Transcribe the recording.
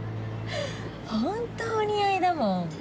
本当お似合いだもん。